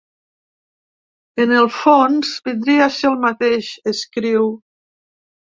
En el fons vindria a ser el mateix, escriu.